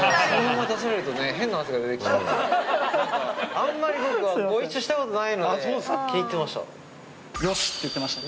あんまり僕ご一緒したことないので。って言ってましたね。